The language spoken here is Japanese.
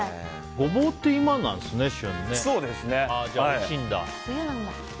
ゴボウって今なんですね、旬。